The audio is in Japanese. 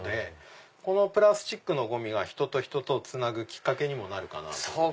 このプラスチックのゴミが人と人とをつなぐきっかけにもなるかな。